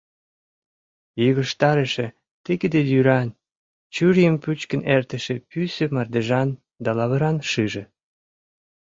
Йыгыжтарыше тыгыде йӱран, чурийым пӱчкын эртыше пӱсӧ мардежан да лавыран шыже.